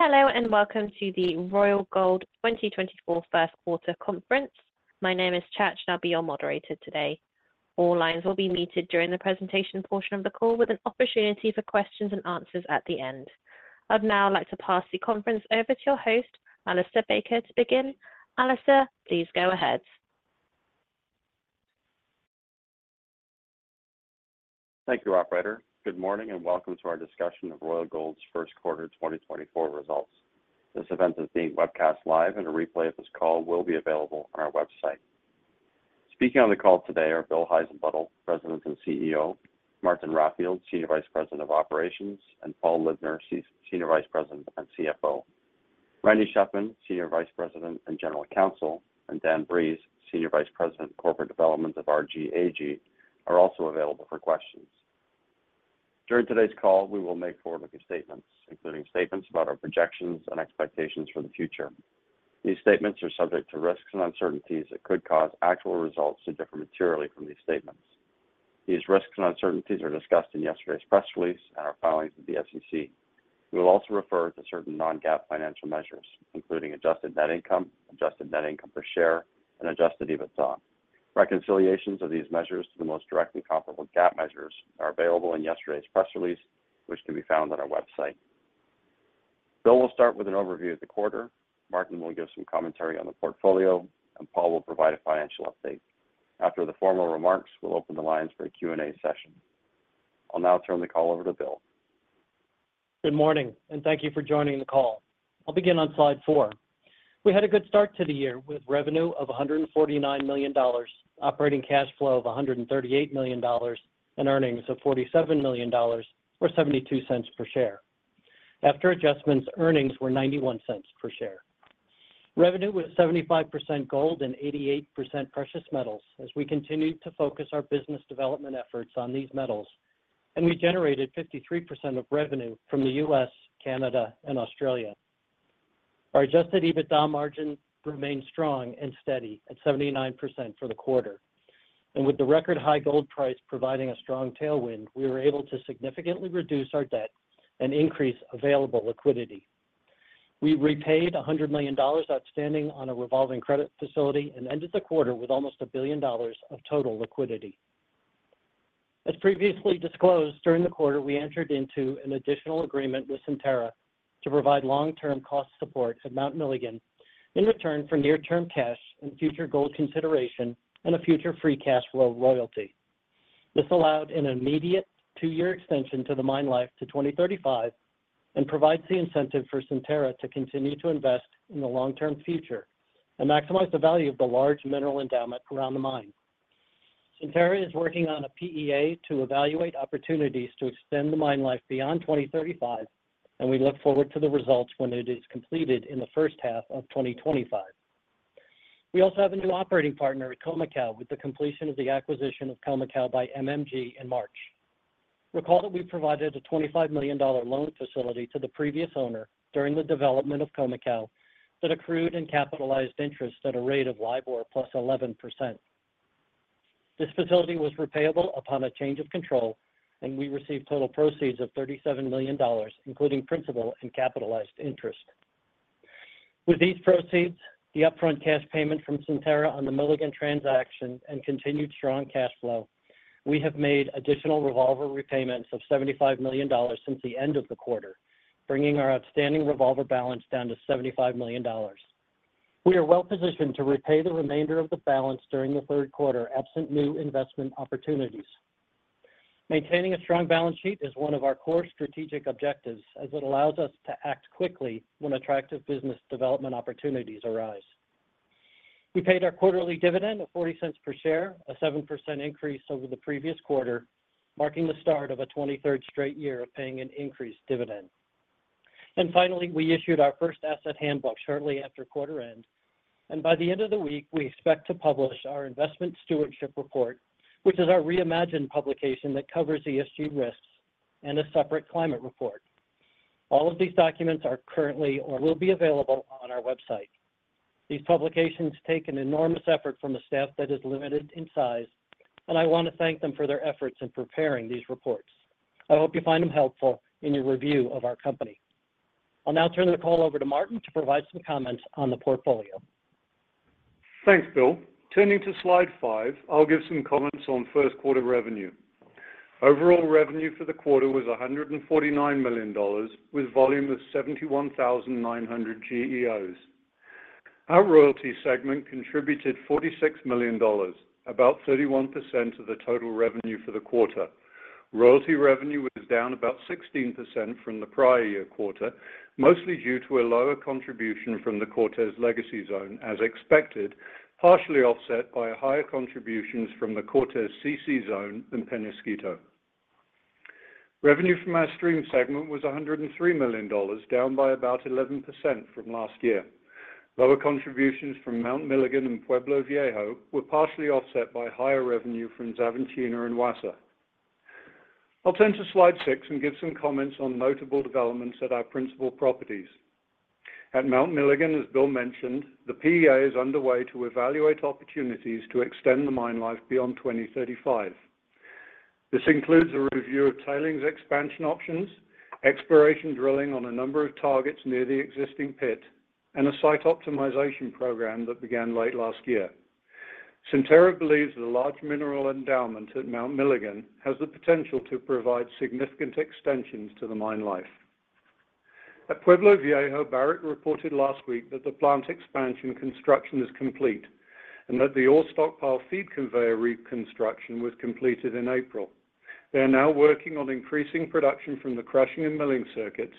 Hello, and welcome to the Royal Gold 2024 first quarter conference. My name is Chad, and I'll be your moderator today. All lines will be muted during the presentation portion of the call, with an opportunity for questions and answers at the end. I'd now like to pass the conference over to your host, Alistair Baker, to begin. Alistair, please go ahead. Thank you, operator. Good morning, and welcome to our discussion of Royal Gold's first quarter 2024 results. This event is being webcast live and a replay of this call will be available on our website. Speaking on the call today are Bill Heissenbuttel, President and CEO, Martin Raffield, Senior Vice President of Operations, and Paul Libner, Senior Vice President and CFO. Randy Shefman, Senior Vice President and General Counsel, and Dan Breeze, Senior Vice President, Corporate Development of RG AG, are also available for questions. During today's call, we will make forward-looking statements, including statements about our projections and expectations for the future. These statements are subject to risks and uncertainties that could cause actual results to differ materially from these statements. These risks and uncertainties are discussed in yesterday's press release and our filings with the SEC. We will also refer to certain non-GAAP financial measures, including Adjusted net income, Adjusted net income per share, and Adjusted EBITDA. Reconciliations of these measures to the most directly comparable GAAP measures are available in yesterday's press release, which can be found on our website. Bill will start with an overview of the quarter, Martin will give some commentary on the portfolio, and Paul will provide a financial update. After the formal remarks, we'll open the lines for a Q&A session. I'll now turn the call over to Bill. Good morning, and thank you for joining the call. I'll begin on slide four. We had a good start to the year with revenue of $149 million, operating cash flow of $138 million, and earnings of $47 million, or $0.72 per share. After adjustments, earnings were $0.91 per share. Revenue was 75% gold and 88% precious metals, as we continued to focus our business development efforts on these metals, and we generated 53% of revenue from the U.S., Canada, and Australia. Our adjusted EBITDA margin remained strong and steady at 79% for the quarter, and with the record high gold price providing a strong tailwind, we were able to significantly reduce our debt and increase available liquidity. We repaid $100 million outstanding on a revolving credit facility and ended the quarter with almost $1 billion of total liquidity. As previously disclosed, during the quarter, we entered into an additional agreement with Centerra to provide long-term cost support to Mount Milligan in return for near-term cash and future gold consideration and a future free cash flow royalty. This allowed an immediate two-year extension to the mine life to 2035 and provides the incentive for Centerra to continue to invest in the long-term future and maximize the value of the large mineral endowment around the mine. Centerra is working on a PEA to evaluate opportunities to extend the mine life beyond 2035, and we look forward to the results when it is completed in the first half of 2025. We also have a new operating partner at Khoemacau with the completion of the acquisition of Khoemacau by MMG in March. Recall that we provided a $25 million loan facility to the previous owner during the development of Khoemacau that accrued and capitalized interest at a rate of LIBOR + 11%. This facility was repayable upon a change of control, and we received total proceeds of $37 million, including principal and capitalized interest. With these proceeds, the upfront cash payment from Centerra on the Milligan transaction and continued strong cash flow, we have made additional revolver repayments of $75 million since the end of the quarter, bringing our outstanding revolver balance down to $75 million. We are well-positioned to repay the remainder of the balance during the third quarter, absent new investment opportunities. Maintaining a strong balance sheet is one of our core strategic objectives, as it allows us to act quickly when attractive business development opportunities arise. We paid our quarterly dividend of $0.40 per share, a 7% increase over the previous quarter, marking the start of a 23rd straight year of paying an increased dividend. Finally, we issued our first asset handbook shortly after quarter end, and by the end of the week, we expect to publish our investment stewardship report, which is our reimagined publication that covers ESG risks and a separate climate report. All of these documents are currently or will be available on our website. These publications take an enormous effort from a staff that is limited in size, and I want to thank them for their efforts in preparing these reports. I hope you find them helpful in your review of our company. I'll now turn the call over to Martin to provide some comments on the portfolio. Thanks, Bill. Turning to slide five, I'll give some comments on first quarter revenue. Overall revenue for the quarter was $149 million, with volume of 71,900 GEOs. Our royalty segment contributed $46 million, about 31% of the total revenue for the quarter. Royalty revenue was down about 16% from the prior year quarter, mostly due to a lower contribution from the Cortez Legacy Zone as expected, partially offset by higher contributions from the Cortez CC Zone than Peñasquito. Revenue from our stream segment was $103 million, down by about 11% from last year. Lower contributions from Mount Milligan and Pueblo Viejo were partially offset by higher revenue from Xavantina and Wassa. I'll turn to slide six and give some comments on notable developments at our principal properties. At Mount Milligan, as Bill mentioned, the PEA is underway to evaluate opportunities to extend the mine life beyond 2035. This includes a review of tailings expansion options, exploration drilling on a number of targets near the existing pit, and a site optimization program that began late last year. Centerra believes that a large mineral endowment at Mount Milligan has the potential to provide significant extensions to the mine life. At Pueblo Viejo, Barrick reported last week that the plant expansion construction is complete, and that the ore stockpile feed conveyor reconstruction was completed in April. They are now working on increasing production from the crushing and milling circuits,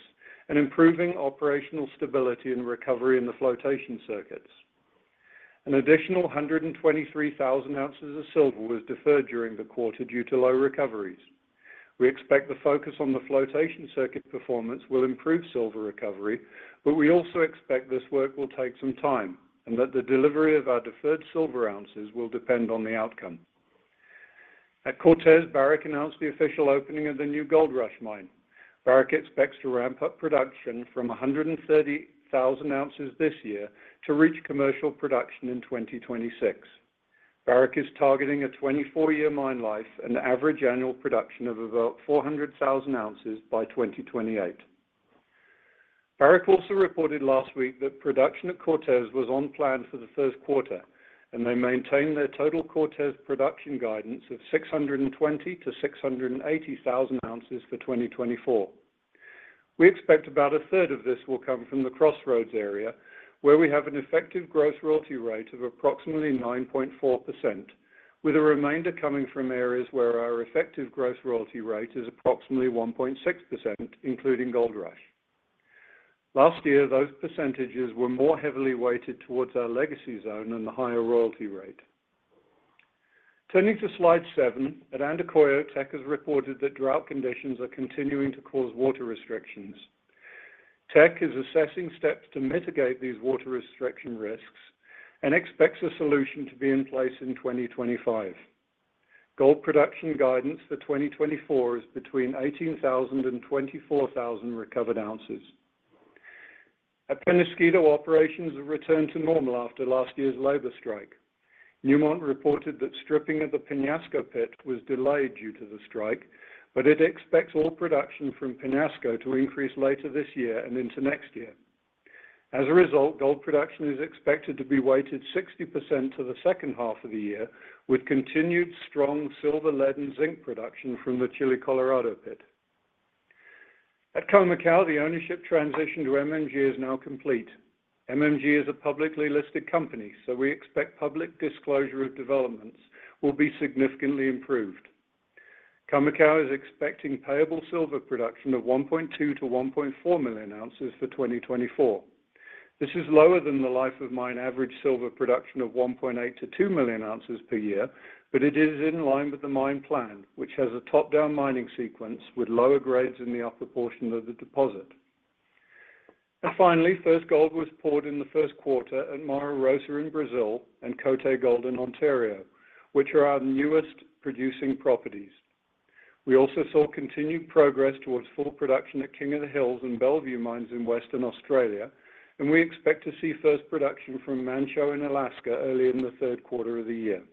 and improving operational stability and recovery in the flotation circuits. An additional 123,000 oz of silver was deferred during the quarter due to low recoveries. We expect the focus on the flotation circuit performance will improve silver recovery, but we also expect this work will take some time, and that the delivery of our deferred silver ounces will depend on the outcome. At Cortez, Barrick announced the official opening of the new Goldrush Mine. Barrick expects to ramp up production from 130,000 oz this year to reach commercial production in 2026. Barrick is targeting a 24-year mine life and average annual production of about 400,000 oz by 2028. Barrick also reported last week that production at Cortez was on plan for the first quarter, and they maintained their total Cortez production guidance of 620,000 oz-680,000 oz for 2024. We expect about a third of this will come from the Crossroads area, where we have an effective gross royalty rate of approximately 9.4%, with a remainder coming from areas where our effective gross royalty rate is approximately 1.6%, including Goldrush. Last year, those percentages were more heavily weighted towards our Legacy Zone and the higher royalty rate. Turning to slide seven, at Andacollo, Teck has reported that drought conditions are continuing to cause water restrictions. Teck is assessing steps to mitigate these water restriction risks and expects a solution to be in place in 2025. Gold production guidance for 2024 is between 18,000 and 24,000 recovered ounces. At Peñasquito, operations have returned to normal after last year's labor strike. Newmont reported that stripping of the Peñasco pit was delayed due to the strike, but it expects all production from Peñasco to increase later this year and into next year. As a result, gold production is expected to be weighted 60% to the second half of the year, with continued strong silver, lead, and zinc production from the Chile Colorado pit. At Khoemacau, the ownership transition to MMG is now complete. MMG is a publicly listed company, so we expect public disclosure of developments will be significantly improved. Khoemacau is expecting payable silver production of 1.2 million oz-1.4 million oz for 2024. This is lower than the life of mine average silver production of 1.8 million oz-2 million oz per year, but it is in line with the mine plan, which has a top-down mining sequence with lower grades in the upper portion of the deposit. Finally, first gold was poured in the first quarter at Mara Rosa in Brazil and Côté Gold in Ontario, which are our newest producing properties. We also saw continued progress towards full production at King of the Hills and Bellevue Mines in Western Australia, and we expect to see first production from Manh Choh in Alaska early in the third quarter of the year.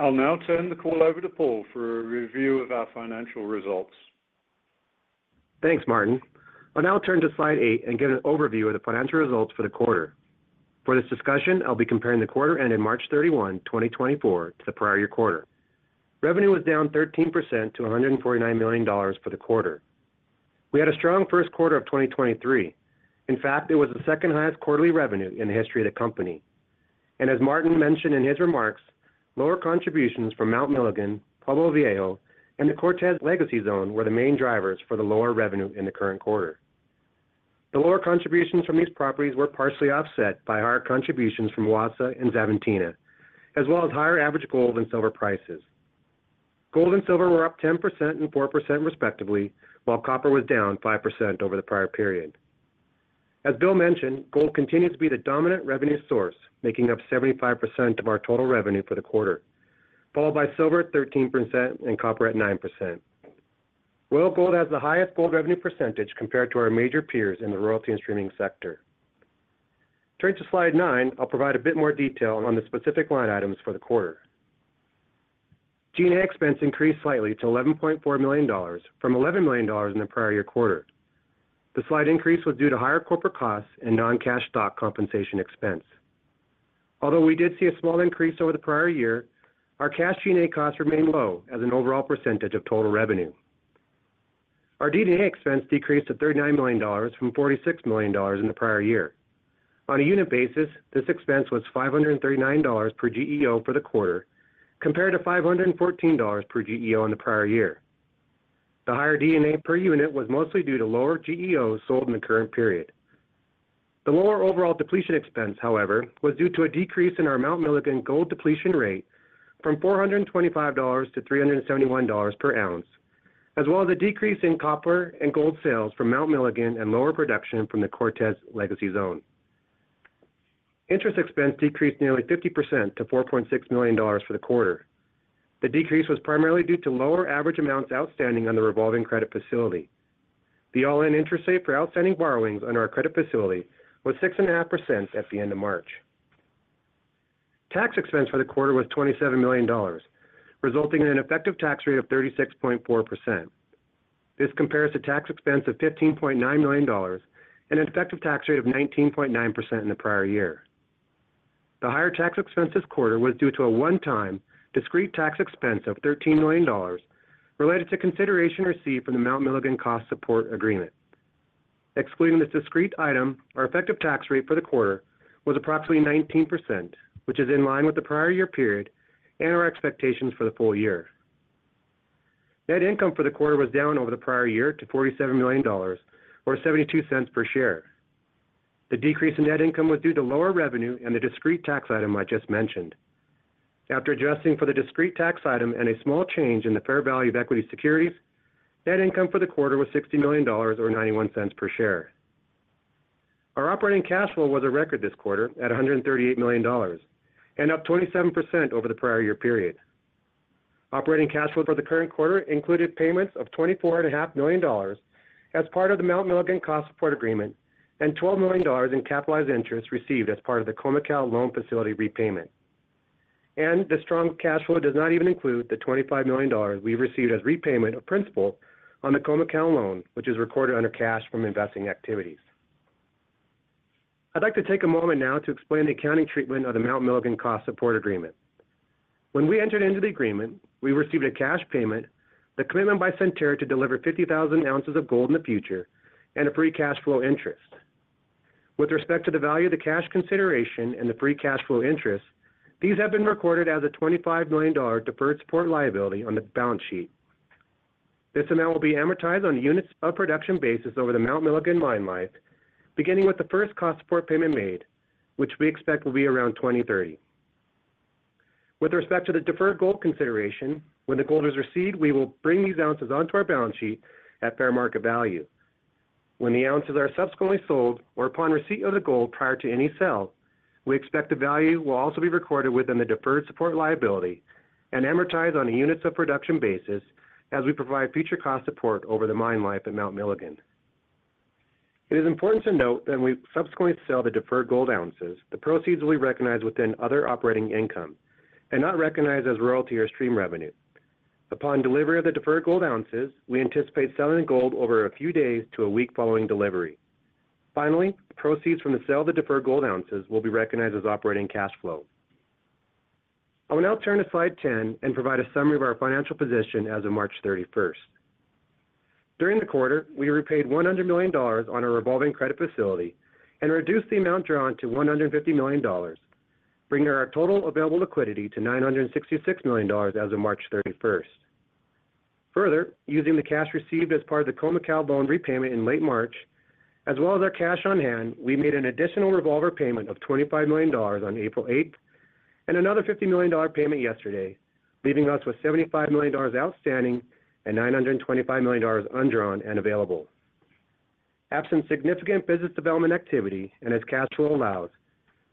I'll now turn the call over to Paul for a review of our financial results. Thanks, Martin. I'll now turn to slide eight and get an overview of the financial results for the quarter. For this discussion, I'll be comparing the quarter ending March 31, 2024, to the prior year quarter. Revenue was down 13% to $149 million for the quarter. We had a strong first quarter of 2023. In fact, it was the second highest quarterly revenue in the history of the company. As Martin mentioned in his remarks, lower contributions from Mount Milligan, Pueblo Viejo, and the Cortez Legacy Zone were the main drivers for the lower revenue in the current quarter. The lower contributions from these properties were partially offset by higher contributions from Wassa and Xavantina, as well as higher average gold and silver prices. Gold and silver were up 10% and 4%, respectively, while copper was down 5% over the prior period. As Bill mentioned, gold continues to be the dominant revenue source, making up 75% of our total revenue for the quarter, followed by silver at 13% and copper at 9%. Royal Gold has the highest gold revenue percentage compared to our major peers in the royalty and streaming sector. Turning to slide nine, I'll provide a bit more detail on the specific line items for the quarter. G&A expense increased slightly to $11.4 million from $11 million in the prior year quarter. The slight increase was due to higher corporate costs and non-cash stock compensation expense. Although we did see a small increase over the prior year, our cash G&A costs remain low as an overall percentage of total revenue. Our D&A expense decreased to $39 million from $46 million in the prior year. On a unit basis, this expense was $539 per GEO for the quarter, compared to $514 per GEO in the prior year. The higher D&A per unit was mostly due to lower GEOs sold in the current period. The lower overall depletion expense, however, was due to a decrease in our Mount Milligan gold depletion rate from $425 to $371 per ounce, as well as a decrease in copper and gold sales from Mount Milligan and lower production from the Cortez Legacy Zone. Interest expense decreased nearly 50% to $4.6 million for the quarter. The decrease was primarily due to lower average amounts outstanding on the Revolving Credit Facility. The all-in interest rate for outstanding borrowings on our credit facility was 6.5% at the end of March. Tax expense for the quarter was $27 million, resulting in an effective tax rate of 36.4%. This compares to tax expense of $15.9 million and an effective tax rate of 19.9% in the prior year. The higher tax expense this quarter was due to a one-time discrete tax expense of $13 million, related to consideration received from the Mount Milligan cost support agreement. Excluding this discrete item, our effective tax rate for the quarter was approximately 19%, which is in line with the prior year period and our expectations for the full year. Net income for the quarter was down over the prior year to $47 million, or $0.72 per share. The decrease in net income was due to lower revenue and the discrete tax item I just mentioned. After adjusting for the discrete tax item and a small change in the fair value of equity securities, net income for the quarter was $60 million, or $0.91 per share. Our operating cash flow was a record this quarter at $138 million, and up 27% over the prior year period. Operating cash flow for the current quarter included payments of $24.5 million as part of the Mount Milligan cost support agreement, and $12 million in capitalized interest received as part of the Khoemacau loan facility repayment. The strong cash flow does not even include the $25 million we received as repayment of principal on the Khoemacau loan, which is recorded under cash from investing activities. I'd like to take a moment now to explain the accounting treatment of the Mount Milligan cost support agreement. When we entered into the agreement, we received a cash payment, the commitment by Centerra to deliver 50,000 oz of gold in the future, and a free cash flow interest. With respect to the value of the cash consideration and the free cash flow interest, these have been recorded as a $25 million deferred support liability on the balance sheet. This amount will be amortized on a units of production basis over the Mount Milligan mine life, beginning with the first cost support payment made, which we expect will be around 2030. With respect to the deferred gold consideration, when the gold is received, we will bring these ounces onto our balance sheet at fair market value. When the ounces are subsequently sold or upon receipt of the gold prior to any sale, we expect the value will also be recorded within the deferred support liability and amortized on a units of production basis as we provide future cost support over the mine life at Mount Milligan. It is important to note that when we subsequently sell the deferred gold ounces, the proceeds will be recognized within other operating income and not recognized as royalty or stream revenue. Upon delivery of the deferred gold ounces, we anticipate selling the gold over a few days to a week following delivery. Finally, the proceeds from the sale of the deferred gold ounces will be recognized as operating cash flow. I will now turn to slide 10 and provide a summary of our financial position as of March 31st. During the quarter, we repaid $100 million on our revolving credit facility and reduced the amount drawn to $150 million, bringing our total available liquidity to $966 million as of March 31st. Further, using the cash received as part of the Khoemacau loan repayment in late March, as well as our cash on hand, we made an additional revolver payment of $25 million on April 8 and another $50 million dollar payment yesterday, leaving us with $75 million outstanding and $925 million undrawn and available. Absent significant business development activity, and as cash flow allows,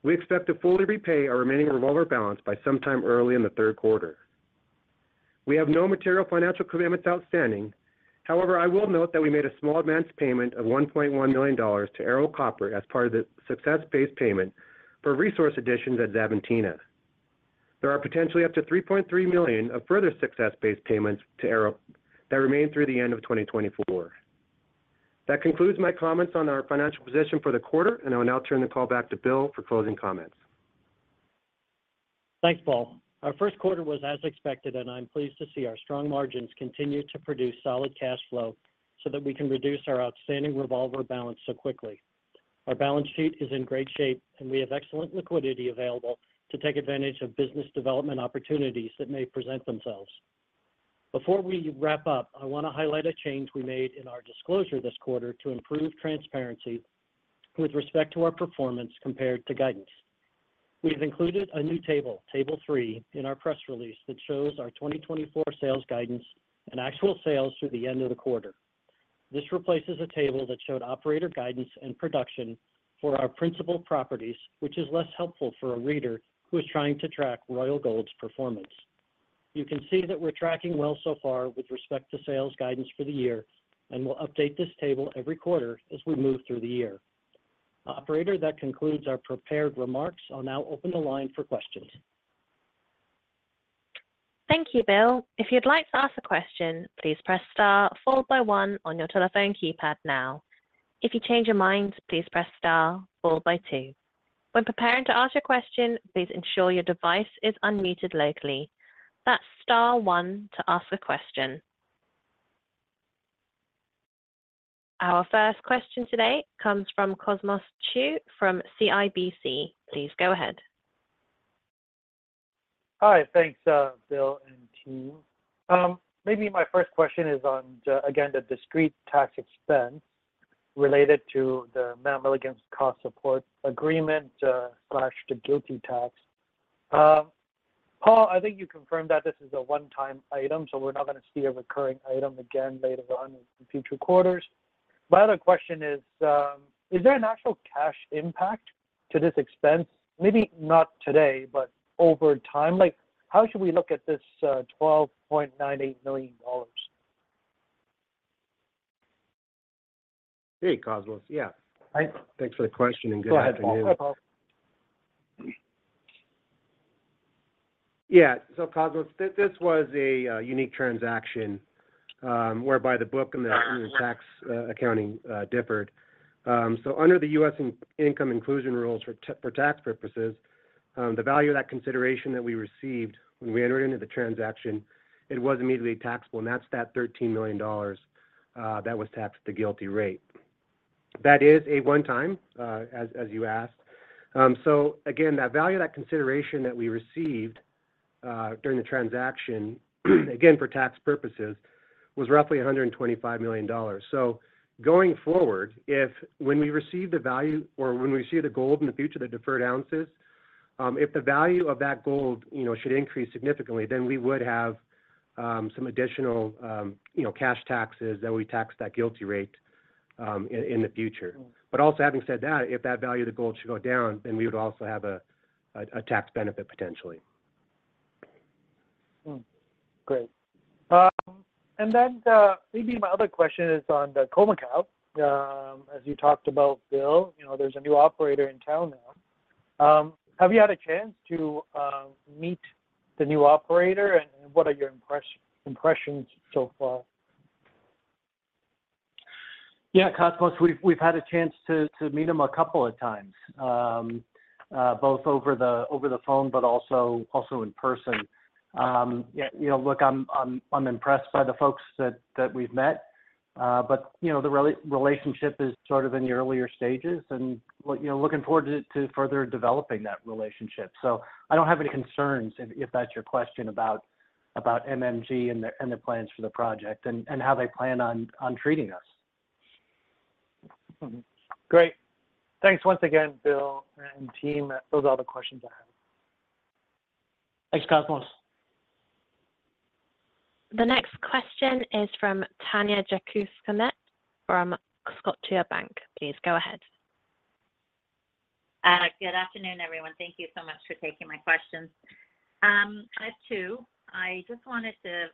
we expect to fully repay our remaining revolver balance by sometime early in the third quarter. We have no material financial commitments outstanding. However, I will note that we made a small advance payment of $1.1 million to Ero Copper as part of the success-based payment for resource additions at Xavantina. There are potentially up to $3.3 million of further success-based payments to Arrow that remain through the end of 2024. That concludes my comments on our financial position for the quarter, and I will now turn the call back to Bill for closing comments. Thanks, Paul. Our first quarter was as expected, and I'm pleased to see our strong margins continue to produce solid cash flow so that we can reduce our outstanding revolver balance so quickly. Our balance sheet is in great shape, and we have excellent liquidity available to take advantage of business development opportunities that may present themselves. Before we wrap up, I want to highlight a change we made in our disclosure this quarter to improve transparency with respect to our performance compared to guidance. We've included a new table, table three, in our press release that shows our 2024 sales guidance and actual sales through the end of the quarter. This replaces a table that showed operator guidance and production for our principal properties, which is less helpful for a reader who is trying to track Royal Gold's performance. You can see that we're tracking well so far with respect to sales guidance for the year, and we'll update this table every quarter as we move through the year. Operator, that concludes our prepared remarks. I'll now open the line for questions. Thank you, Bill. If you'd like to ask a question, please press star followed by one on your telephone keypad now. If you change your mind, please press star followed by two. When preparing to ask your question, please ensure your device is unmuted locally. That's star one to ask a question. Our first question today comes from Cosmos Chiu from CIBC. Please go ahead. Hi. Thanks, Bill and team. Maybe my first question is on the, again, the discrete tax expense related to the Mount Milligan's cost support agreement, slash the GILTI tax. Paul, I think you confirmed that this is a one-time item, so we're not going to see a recurring item again later on in future quarters. My other question is, is there an actual cash impact to this expense? Maybe not today, but over time. Like, how should we look at this, $12.98 million?... Hey, Cosmos. Yeah. Hi. Thanks for the question, and good afternoon. Go ahead, Paul. Hi, Paul. Yeah, so, Cosmos, this was a unique transaction, whereby the book and the tax accounting differed. So under the U.S. income inclusion rules for tax purposes, the value of that consideration that we received when we entered into the transaction, it was immediately taxable, and that's that $13 million that was taxed at the GILTI rate. That is a one-time, as you asked. So again, that value of that consideration that we received during the transaction, again, for tax purposes, was roughly $125 million. So going forward, if when we receive the value or when we receive the gold in the future, the deferred ounces, if the value of that gold, you know, should increase significantly, then we would have some additional, you know, cash taxes that we tax that GILTI rate, in the future. But also, having said that, if that value of the gold should go down, then we would also have a tax benefit potentially. Great. And then, maybe my other question is on the Khoemacau, as you talked about, Bill, you know, there's a new operator in town now. Have you had a chance to meet the new operator, and what are your impressions so far? Yeah, Cosmos, we've had a chance to meet him a couple of times, both over the phone, but also in person. Yeah, you know, look, I'm impressed by the folks that we've met, but, you know, the relationship is sort of in the earlier stages and look, you know, looking forward to further developing that relationship. So I don't have any concerns, if that's your question about MMG and their plans for the project and how they plan on treating us. Mm-hmm. Great. Thanks once again, Bill and team. Those are all the questions I have. Thanks, Cosmos. The next question is from Tanya Jakusconek from Scotiabank. Please go ahead. Good afternoon, everyone. Thank you so much for taking my questions. I have two. I just wanted to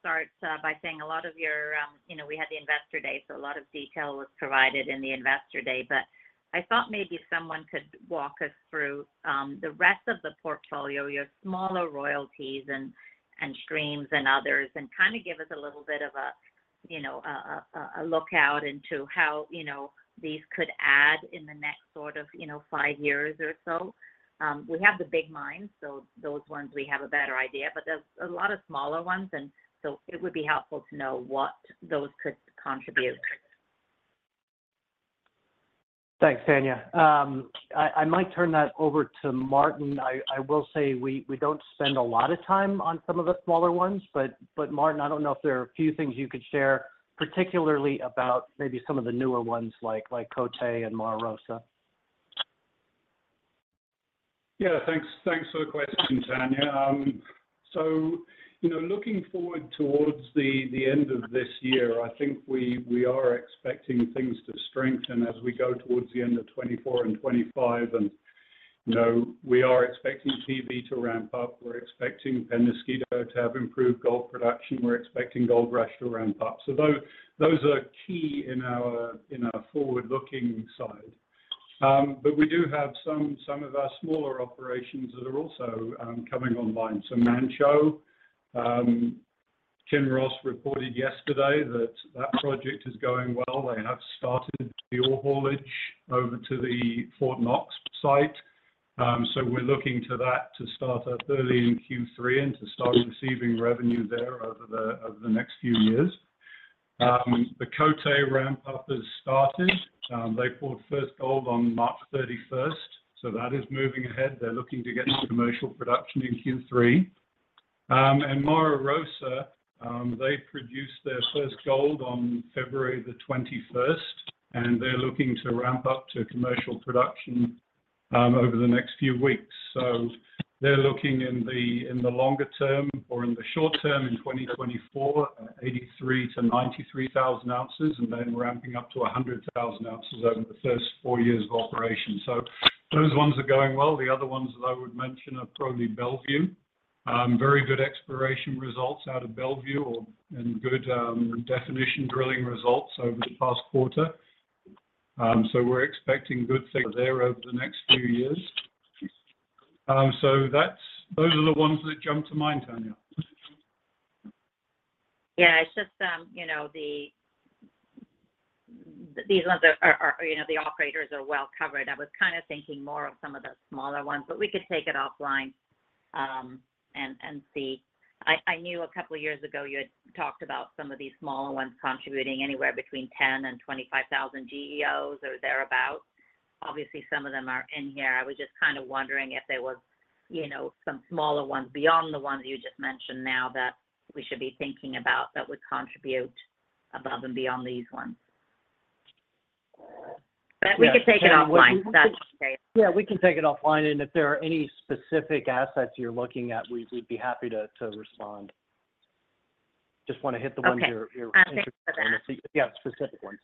start by saying a lot of your... You know, we had the Investor Day, so a lot of detail was provided in the Investor Day. But I thought maybe if someone could walk us through the rest of the portfolio, your smaller royalties and streams and others, and kind of give us a little bit of a, you know, outlook into how, you know, these could add in the next sort of, you know, five years or so. We have the big mines, so those ones, we have a better idea, but there's a lot of smaller ones, and so it would be helpful to know what those could contribute. Thanks, Tanya. I might turn that over to Martin. I will say we don't spend a lot of time on some of the smaller ones, but Martin, I don't know if there are a few things you could share, particularly about maybe some of the newer ones like Côté and Mara Rosa. Yeah, thanks. Thanks for the question, Tanya. So, you know, looking forward towards the, the end of this year, I think we, we are expecting things to strengthen as we go towards the end of 2024 and 2025, and, you know, we are expecting TV to ramp up. We're expecting Peñasquito to have improved gold production. We're expecting Goldrush to ramp up. So those are key in our, in our forward-looking side. But we do have some, some of our smaller operations that are also, coming online. So Manh Choh, Kinross reported yesterday that that project is going well. They have started the ore haulage over to the Fort Knox site. So we're looking to that to start up early in Q3 and to start receiving revenue there over the, over the next few years. The Côté ramp-up has started. They poured first gold on March thirty-first, so that is moving ahead. They're looking to get to commercial production in Q3. Mara Rosa, they produced their first gold on February the twenty-first, and they're looking to ramp up to commercial production over the next few weeks. So they're looking in the, in the longer term or in the short term, in 2024, 83,000 oz-93,000 oz, and then ramping up to 100,000 oz over the first four years of operation. So those ones are going well. The other ones that I would mention are probably Bellevue. Very good exploration results out of Bellevue or, and good definition drilling results over the past quarter. So we're expecting good things there over the next few years. So that's—those are the ones that jump to mind, Tanya. Yeah, it's just, you know, these ones are, you know, the operators are well covered. I was kind of thinking more of some of the smaller ones, but we could take it offline, and see. I knew a couple of years ago you had talked about some of these smaller ones contributing anywhere between 10,000 and 25,000 GEOs or thereabout. Obviously, some of them are in here. I was just kind of wondering if there was, you know, some smaller ones beyond the ones you just mentioned now, that we should be thinking about that would contribute above and beyond these ones. But we can take it offline. That's okay. Yeah, we can take it offline, and if there are any specific assets you're looking at, we'd be happy to respond. Just want to hit the ones you're interested in. Okay. I think so that... Yeah, specific ones....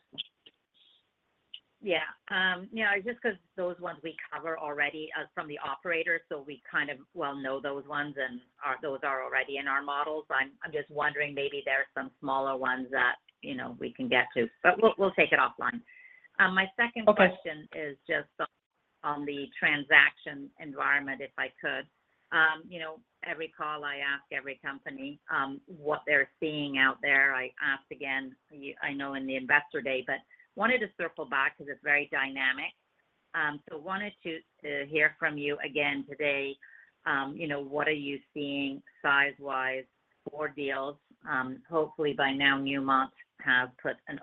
Yeah. Yeah, just because those ones we cover already from the operator, so we kind of well know those ones, and those are already in our models. I'm just wondering, maybe there are some smaller ones that, you know, we can get to. But we'll take it offline. My second- Question is just on the transaction environment, if I could. You know, every call I ask every company what they're seeing out there. I asked again, you know, I know in the Investor Day, but wanted to circle back because it's very dynamic. So wanted to hear from you again today, you know, what are you seeing size-wise for deals? Hopefully by now, Newmont has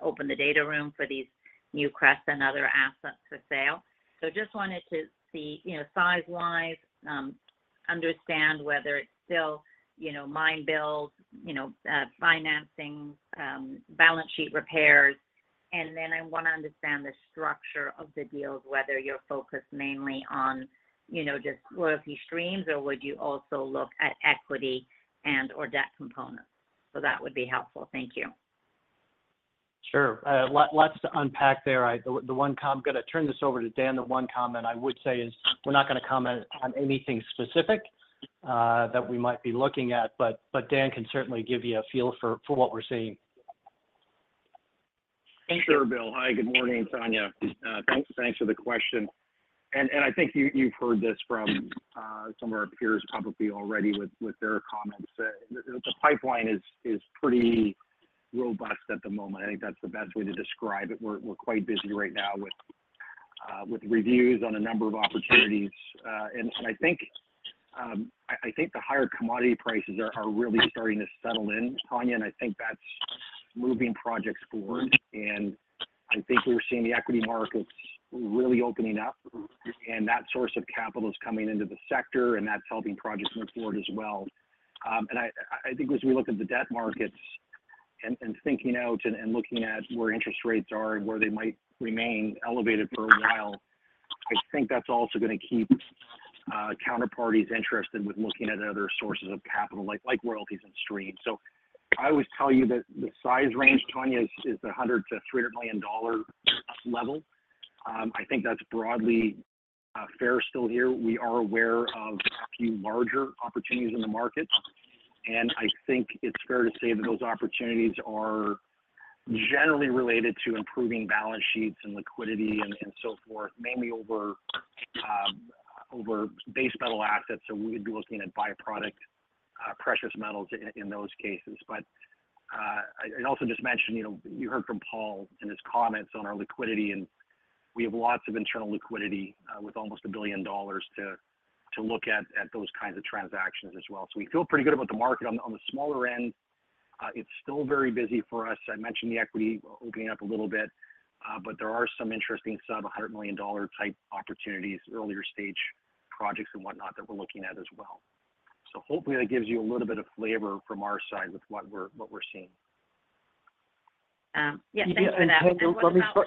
opened the data room for these Newcrest and other assets for sale. So just wanted to see, you know, size-wise, understand whether it's still, you know, mine builds, you know, financing, balance sheet repairs. And then I want to understand the structure of the deals, whether you're focused mainly on, you know, just royalty streams, or would you also look at equity and/or debt components. So that would be helpful. Thank you. Sure. Lots to unpack there. I'm gonna turn this over to Dan. The one comment I would say is, we're not gonna comment on anything specific that we might be looking at, but Dan can certainly give you a feel for what we're seeing. Thank you, Bill. Hi, good morning, Tanya. Thanks, thanks for the question. And I think you, you've heard this from some of our peers publicly already with their comments. The pipeline is pretty robust at the moment. I think that's the best way to describe it. We're quite busy right now with reviews on a number of opportunities. And I think the higher commodity prices are really starting to settle in, Tanya, and I think that's moving projects forward. And I think we're seeing the equity markets really opening up, and that source of capital is coming into the sector, and that's helping projects move forward as well. And I think as we look at the debt markets and thinking out and looking at where interest rates are and where they might remain elevated for a while, I think that's also gonna keep counterparties interested with looking at other sources of capital, like royalties and streams. So I always tell you that the size range, Tanya, is the $100 million-$300 million level. I think that's broadly fair still here. We are aware of a few larger opportunities in the market, and I think it's fair to say that those opportunities are generally related to improving balance sheets and liquidity and so forth, mainly over base metal assets. So we would be looking at by-product precious metals in those cases. But and also just mentioned, you know, you heard from Paul and his comments on our liquidity, and we have lots of internal liquidity with almost $1 billion to look at those kinds of transactions as well. So we feel pretty good about the market. On the smaller end, it's still very busy for us. I mentioned the equity opening up a little bit, but there are some interesting sub-$100 million type opportunities, earlier stage projects and whatnot, that we're looking at as well. So hopefully that gives you a little bit of flavor from our side with what we're seeing. Yeah, thanks for that.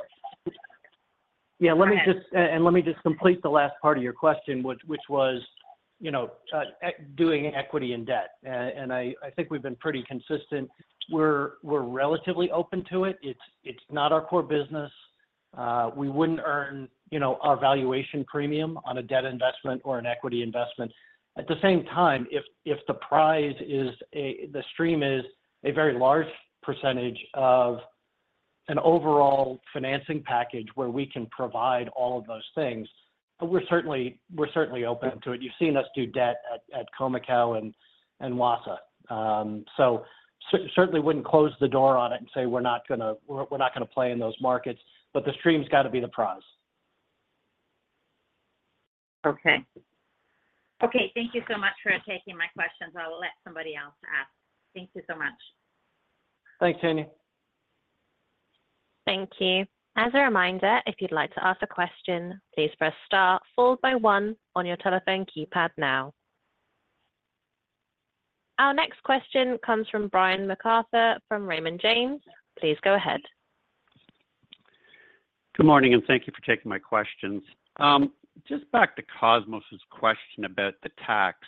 Go ahead... And let me just complete the last part of your question, which was, you know, doing equity and debt. And I think we've been pretty consistent. We're relatively open to it. It's not our core business. We wouldn't earn, you know, our valuation premium on a debt investment or an equity investment. At the same time, if the stream is a very large percentage of an overall financing package where we can provide all of those things, we're certainly open to it. You've seen us do debt at Khoemacau and Wassa. So certainly wouldn't close the door on it and say: We're not gonna play in those markets, but the stream's got to be the prize. Okay. Okay, thank you so much for taking my questions. I will let somebody else ask. Thank you so much. Thanks, Tanya. Thank you. As a reminder, if you'd like to ask a question, please press star followed by one on your telephone keypad now. Our next question comes from Brian MacArthur, from Raymond James. Please go ahead. Good morning, and thank you for taking my questions. Just back to Cosmos' question about the tax.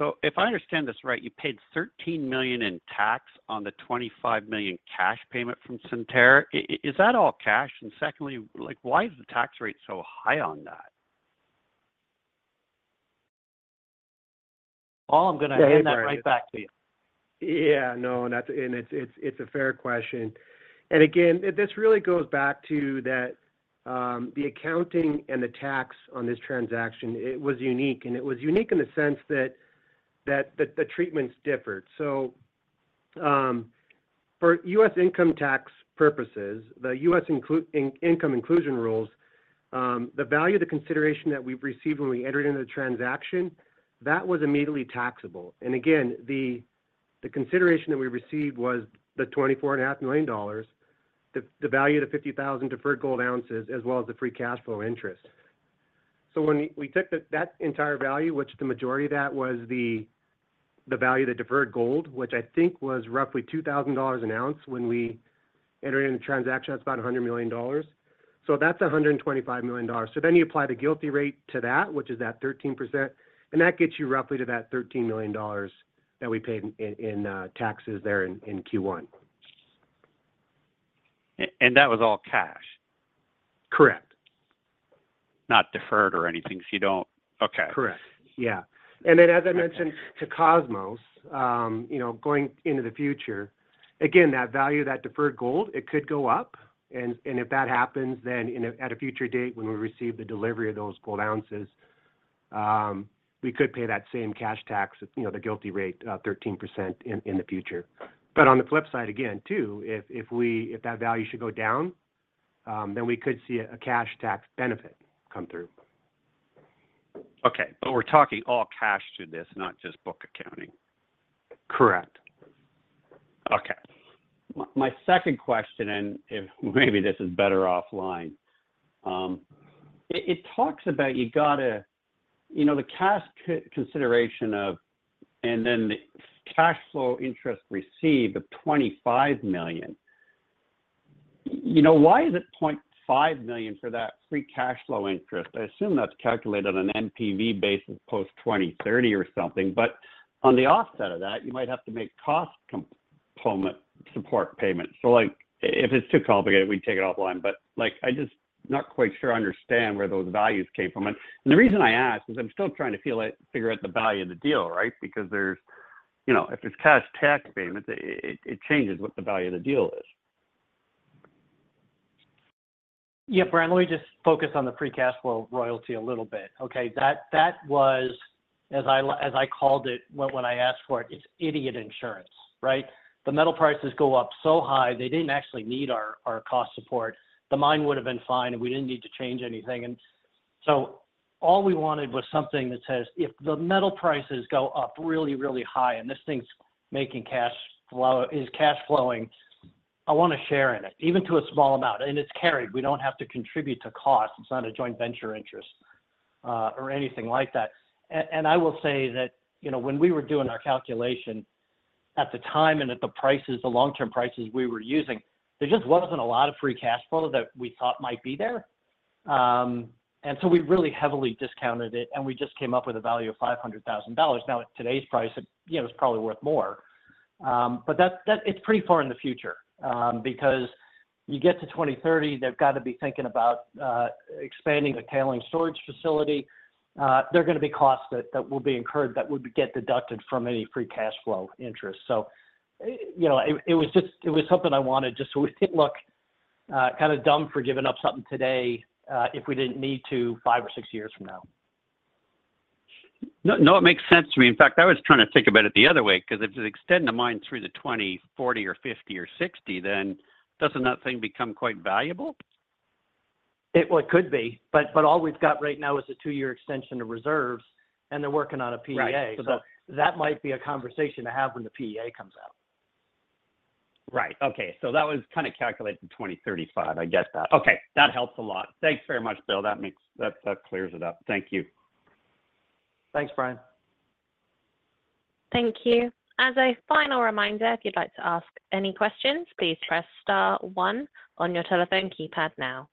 So if I understand this right, you paid $13 million in tax on the $25 million cash payment from Centerra. Is, is that all cash? And secondly, like, why is the tax rate so high on that? Paul, I'm gonna hand that right back to you. Yeah, no, and that's, and it's a fair question. And again, this really goes back to that, the accounting and the tax on this transaction, it was unique, and it was unique in the sense that the treatments differed. So, for U.S. income tax purposes, the U.S. income inclusion rules, the value of the consideration that we've received when we entered into the transaction, that was immediately taxable. And again, the consideration that we received was the $24.5 million, the value of the 50,000 deferred gold ounces, as well as the free cash flow interest. So when we took that entire value, which the majority of that was the value of the deferred gold, which I think was roughly $2,000 an ounce when we entered into the transaction, that's about $100 million. So that's $125 million. So then you apply the GILTI rate to that, which is that 13%, and that gets you roughly to that $13 million.... that we paid in taxes there in Q1. And that was all cash? Correct. Not deferred or anything, so you don't-- Okay. Correct. Yeah. And then, as I mentioned to Cosmos, you know, going into the future, again, that value, that deferred gold, it could go up, and if that happens, then at a future date, when we receive the delivery of those gold ounces, we could pay that same cash tax, you know, the GILTI rate, 13% in the future. But on the flip side, again, too, if that value should go down, then we could see a cash tax benefit come through. Okay. But we're talking all cash to this, not just book accounting? Correct. Okay. My second question, and if maybe this is better offline. It talks about you got to, you know, the cash consideration of, and then the cash flow interest received of $25 million. You know, why is it $0.5 million for that free cash flow interest? I assume that's calculated on an NPV basis post 2030 or something, but on the offset of that, you might have to make cost component support payments. So, like, if it's too complicated, we can take it offline, but, like, I just not quite sure I understand where those values came from. And the reason I ask is I'm still trying to feel it, figure out the value of the deal, right? Because there's, you know, if it's cash tax payment, it changes what the value of the deal is. Yeah, Brian, let me just focus on the free cash flow royalty a little bit. Okay, that, that was, as I called it, when, when I asked for it, it's idiot insurance, right? The metal prices go up so high, they didn't actually need our, our cost support. The mine would have been fine, and we didn't need to change anything. And so all we wanted was something that says, if the metal prices go up really, really high and this thing's making cash flow, is cash flowing, I want a share in it, even to a small amount. And it's carried. We don't have to contribute to cost. It's not a joint venture interest, or anything like that. And I will say that, you know, when we were doing our calculation at the time and at the prices, the long-term prices we were using, there just wasn't a lot of free cash flow that we thought might be there. And so we really heavily discounted it, and we just came up with a value of $500,000. Now, at today's price, it, you know, it's probably worth more. But that... It's pretty far in the future, because you get to 2030, they've got to be thinking about expanding the tailings storage facility. There are going to be costs that will be incurred that would get deducted from any free cash flow interest. So, you know, it was just something I wanted, just so we didn't look kind of dumb for giving up something today, if we didn't need to, five or six years from now. No, no, it makes sense to me. In fact, I was trying to think about it the other way, because if you extend the mine through to 20, 40 or 50 or 60, then doesn't that thing become quite valuable? Well, it could be, but all we've got right now is a two-year extension of reserves, and they're working on a PEA. Right. That might be a conversation to have when the PEA comes out. Right. Okay. So that was kind of calculated to 2035, I guess that. Okay, that helps a lot. Thanks very much, Bill. That makes, that, that clears it up. Thank you. Thanks, Brian. Thank you. As a final reminder, if you'd like to ask any questions, please press star one on your telephone keypad now.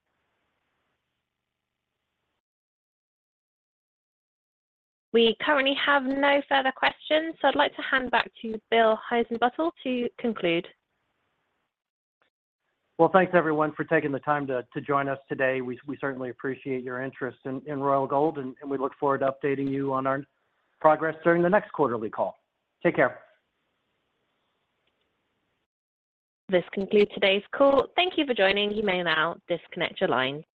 We currently have no further questions, so I'd like to hand back to Bill Heissenbuttel to conclude. Well, thanks everyone for taking the time to join us today. We certainly appreciate your interest in Royal Gold, and we look forward to updating you on our progress during the next quarterly call. Take care. This concludes today's call. Thank you for joining. You may now disconnect your line.